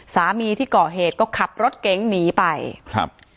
ที่ก่อเหตุก็ขับรถเก๋งหนีไปครับ